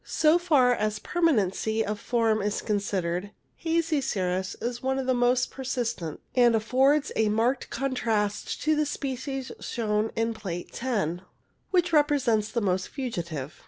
^ So far as permanency of form is considered, hazy cirrus is one of the most persistent, and affords a marked contrast to the species shown in Plate 10, which represents the most fugitive.